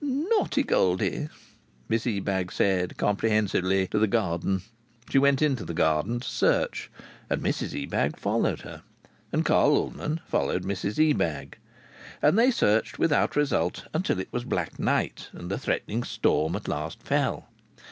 "Naughty Goldie!" Miss Ebag said, comprehensively, to the garden. She went into the garden to search, and Mrs Ebag followed her, and Carl Ullman followed Mrs Ebag. And they searched without result, until it was black night and the threatening storm at last fell.